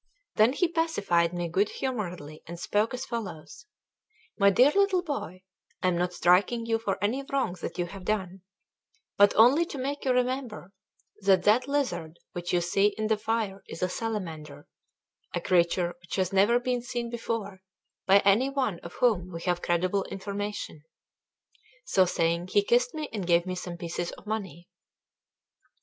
Then he pacified me good humouredly, and spoke as follows: "My dear little boy, I am not striking you for any wrong that you have done, but only to make you remember that that lizard which you see in the fire is a salamander, a creature which has never been seen before by any one of whom we have credible information." So saying, he kissed me and gave me some pieces of money.